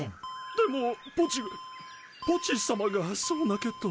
でもポチポチさまがそう鳴けと。